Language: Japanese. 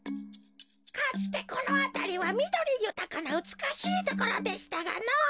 かつてこのあたりはみどりゆたかなうつくしいところでしたがのぉ。